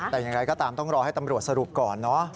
แต่อย่างไรก็ตามต้องรอให้ตำรวจสรุปก่อนเนอะ